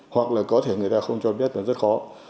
hoặc là có thể người ta không cho biết là rất khó